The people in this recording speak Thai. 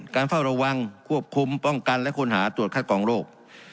เฝ้าระวังควบคุมป้องกันและค้นหาตรวจคัดกองโรค